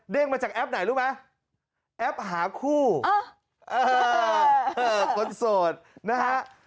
มาจากแอปไหนรู้ไหมแอปหาคู่คนโสดนะฮะ